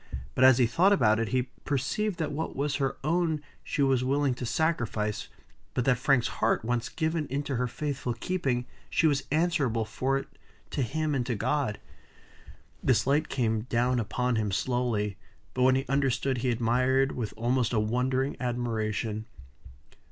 But as he thought about it, he perceived that what was her own she was willing to sacrifice; but that Frank's heart, once given into her faithful keeping, she was answerable for it to him and to God. This light came down upon him slowly; but when he understood, he admired with almost a wondering admiration.